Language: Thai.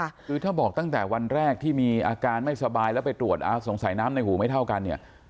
คือถ้าบอกตั้งแต่วันแรกที่มีอาการไม่สบายแล้วไปตรวจสงสัยน้ำในหูไม่เท่ากันเนี่ย